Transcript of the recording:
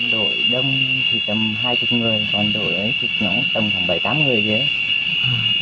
đội đông thì tầm hai mươi người còn đội chục nhóm tầm khoảng bảy tám người vậy đấy